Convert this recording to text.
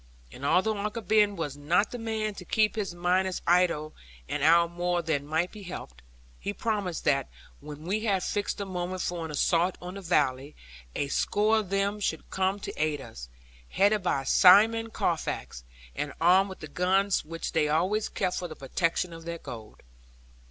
And although Uncle Ben was not the man to keep his miners idle an hour more than might be helped, he promised that when we had fixed the moment for an assault on the valley, a score of them should come to aid us, headed by Simon Carfax, and armed with the guns which they always kept for the protection of their gold.